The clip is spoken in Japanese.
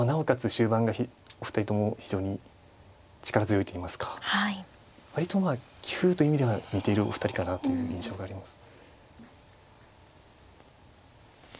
終盤がお二人とも非常に力強いといいますか割とまあ棋風という意味では似ているお二人かなという印象があります。